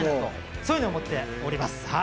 そういうふうに思っております。